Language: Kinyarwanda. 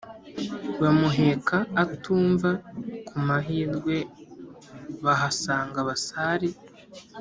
Bamuheka atumva kumahirwe bahasanga abasare